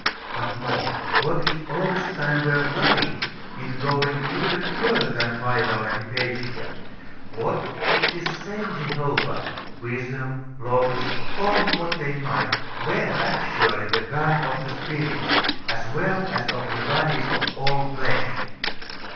But more. .... What if Augustine were right in going even further than Philo and Hypatia? What if this same Jehovah, Wisdom, Logos, call Him what they might, were actually the God of the spirits, as well as of the bodies of all flesh?